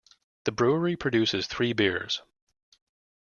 The brewery produces three beers.